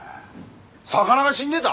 魚が死んでた！？